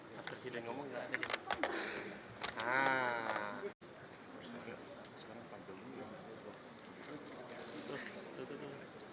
sudah diusut nah ini saya mau lapor juga persis ya